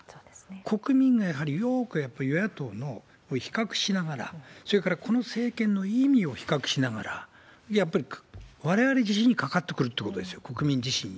国民がやはりよーく与野党を比較しながら、それからこの政権の意味を比較しながら、やっぱりわれわれ自身にかかってくるってことですよ、国民自身に。